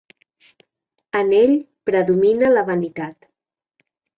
En ell predomina la vanitat.